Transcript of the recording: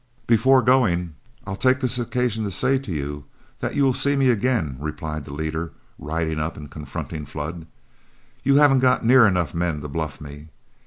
"Before going, I'll take this occasion to say to you that you will see me again," replied the leader, riding up and confronting Flood. "You haven't got near enough men to bluff me.